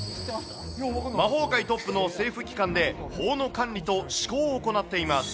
魔法界トップの政府機関で、法の管理と施行を行っています。